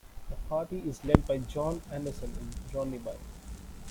The party is led by John Andersson in Ronneby.